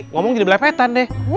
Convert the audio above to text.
ngomong jadi belepetan deh